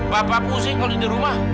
bapak pusing kalau di rumah